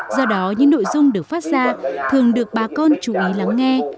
do đó những nội dung được phát ra thường được bà con chú ý lắng nghe